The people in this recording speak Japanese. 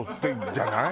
じゃない？